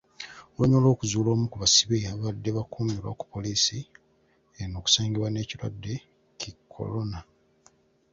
Oluvanyuma lw'okuzuula omu ku basibe abadde akuumirwa ku poliisi eno okusangibwa n'ekirwadde ki Kolona.